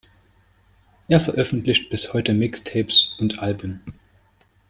Er veröffentlicht bis heute Mixtapes und Alben.